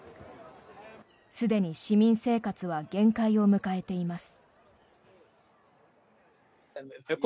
すでに市民生活は限界を迎えています。